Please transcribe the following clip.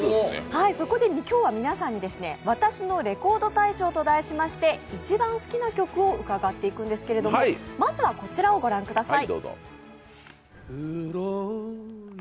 そこで今日は皆さんに「私のレコード大賞」と題しまして、一番好きな曲を伺っていくんですけれども、まずはこちらを御覧ください。